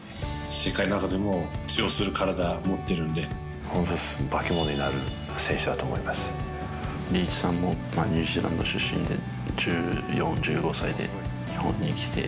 世界の中でも通用する体、持ってるんで、本当です、化け物になるリーチさんもニュージーランド出身で、１４、１５歳で日本に来て、